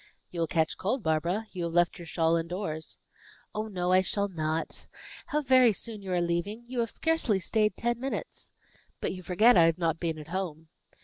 "You will catch cold, Barbara. You have left your shawl indoors." "Oh, no, I shall not. How very soon you are leaving. You have scarcely stayed ten minutes." "But you forget I have not been at home."